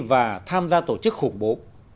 và tham gia tổ chức khủng bố